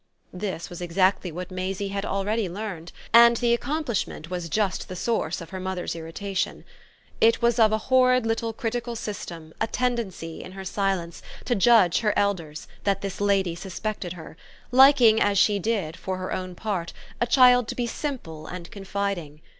This was exactly what Maisie had already learned, and the accomplishment was just the source of her mother's irritation. It was of a horrid little critical system, a tendency, in her silence, to judge her elders, that this lady suspected her, liking as she did, for her own part, a child to be simple and confiding.